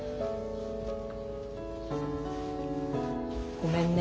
ごめんね。